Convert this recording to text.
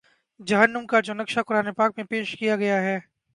جہنم کا جو نقشہ قرآن پاک میں پیش کیا گیا ہے